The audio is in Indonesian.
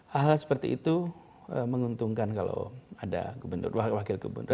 hal hal seperti itu menguntungkan kalau ada gubernur wakil gubernur